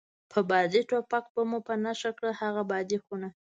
په بادي ټوپک به مو په نښه کړه، هغه بوس خونه.